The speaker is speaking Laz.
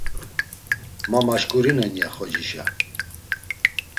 Ma maşǩurinen, ya; xocişa.